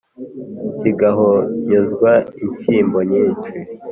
kigahonyozwa inshyimbo nyinshi